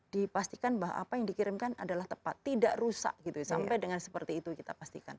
dipastikan bahwa apa yang dikirimkan adalah tepat tidak rusak gitu ya sampai dengan seperti itu kita pastikan